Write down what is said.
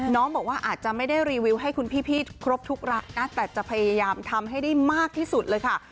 น้องบอกว่าอาจจะไม่ได้รีวิวให้คุณพี่ครบทุกระนะแต่จะพยายามทำให้ได้มากที่สุดเลยค่ะ